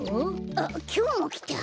あっきょうもきた。